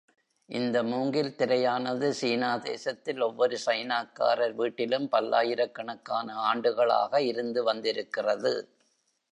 இந்த மூங்கில் திரையானது சீனா தேசத்தில் ஒவ்வொரு சைனாக்காரர் வீட்டிலும் பல்லாயிரக் கணக்கான ஆண்டுகளாக இருந்து வந்திருக்கிறது.